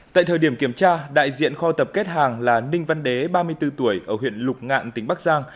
tại thời điểm kiểm tra đại diện kho tập kết hàng là ninh văn đế ba mươi bốn tuổi ở huyện lục ngạn tỉnh bắc giang